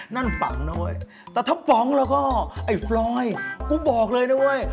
นั่นปังนะเว้ยแต่ถ้าป๋องแล้วก็ไอ้ฟรอยกูบอกเลยนะเว้ย